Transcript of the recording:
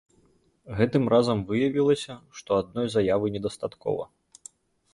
Гэтым разам выявілася, што адной заявы недастаткова.